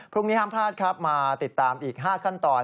พรุ่งนี้ห้ามพลาดครับมาติดตามอีก๕ขั้นตอน